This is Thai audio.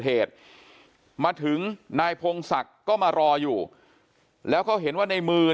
เหตุมาถึงนายพงศักดิ์ก็มารออยู่แล้วเขาเห็นว่าในมือ